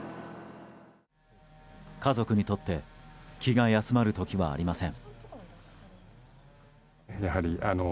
家族にとって気が休まる時はありません。